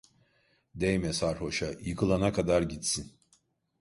Değme sarhoşa, yıkılana kadar gitsin.